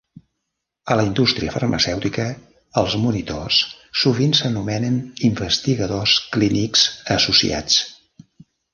A la indústria farmacèutica, els monitors sovint s'anomenen investigadors clínics associats.